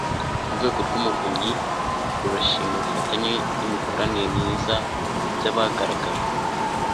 urwego rw'umuvunyi rurashima ubufatanye n'imikoranire myiza byagaragajwe